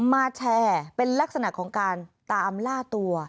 มาแชร์เป็นลักษณะของการตามล่าตัว